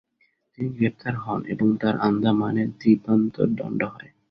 তিনি গ্রেপ্তার হন এবং তার আন্দামানে দ্বীপান্তর দণ্ড হয়।